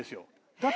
だって。